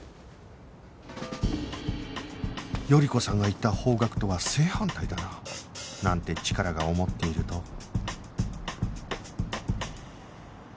頼子さんが言った方角とは正反対だななんてチカラが思っていると